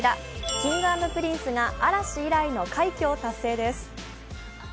Ｋｉｎｇ＆Ｐｒｉｎｃｅが嵐以来の快挙を達成です。